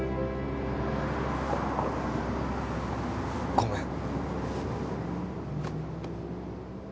ごめん。